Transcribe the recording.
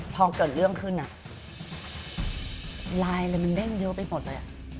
พอเกิดเรื่องขึ้นไลน์อะไรมันเด้งเยอะไปหมดเลย